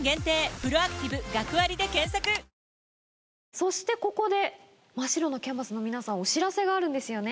そしてここで真っ白なキャンバスの皆さんお知らせがあるんですよね？